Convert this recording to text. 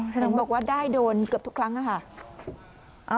ถนนบอกว่าได้โดนเกือบทุกครั้งค่ะ